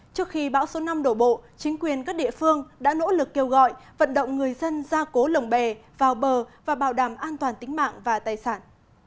trước khi bão số năm đổ bộ chính quyền các địa phương đã nỗ lực kêu gọi vận động người dân ra cố lồng bè vào bờ và bảo đảm an toàn tính mạng và tài sản